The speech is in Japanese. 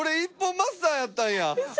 マスターやったんや。